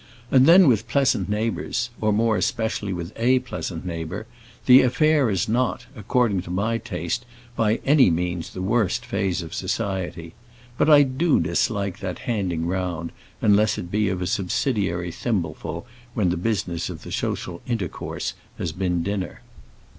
And then with pleasant neighbours, or more especially with a pleasant neighbour, the affair is not, according to my taste, by any means the worst phase of society. But I do dislike that handing round, unless it be of a subsidiary thimbleful when the business of the social intercourse has been dinner.